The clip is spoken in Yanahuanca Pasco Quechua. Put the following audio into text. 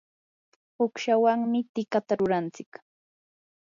uqshawanmi tikata rurantsik.